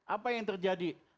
apa yang terjadi